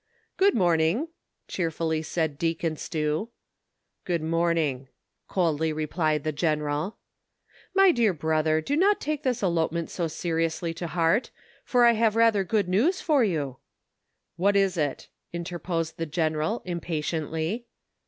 "Good morning," cheerfully said Deacon Stew. "Good morning," coldly replied the general. " My dear brother, do not take this elopement so seriously to heart, for I have rather good news for you "—" What is it V " interposed the general, impatiently.